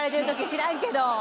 知らんけど。